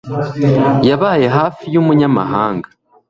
yabaye hafi y'umunyamahanga